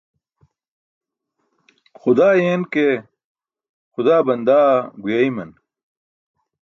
Xudaa yeen ke xudaa bandaa guyeeyman.